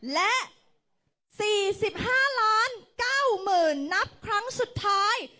และ๔๕ล้าน๙หมื่นนับครั้งสุดท้าย